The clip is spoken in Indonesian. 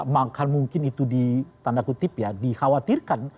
maka mungkin itu di tanda kutip ya dikhawatirkan